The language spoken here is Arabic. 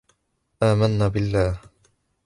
آمنا بالله